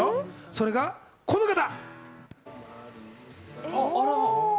それがこの方！